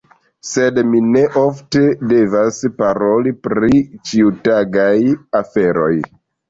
Sed mi ne ofte devas paroli pri ĉiutagaj aferoj.